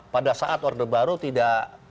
pada saat orde baru tidak